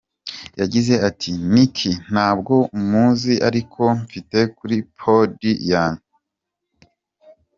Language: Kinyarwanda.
Yagize ati “Nicki, ntabwo muzi ariko mfite kuri iPod yanjye.